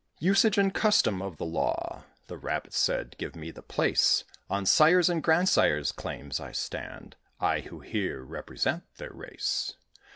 "Usage and custom of the law," The Rabbit said, "give me the place: On sire's and grandsire's claims I stand I, who here represent their race."